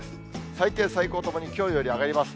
最低、最高ともに、きょうより上がります。